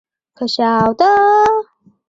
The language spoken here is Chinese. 沃沙西。